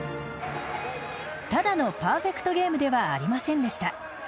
ただのパーフェクトゲームではありませんでした。